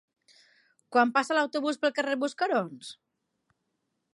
Quan passa l'autobús pel carrer Buscarons?